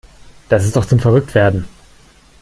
Das ist doch zum verrückt werden.